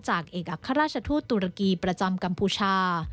เอกอัครราชทูตตุรกีประจำกัมพูชา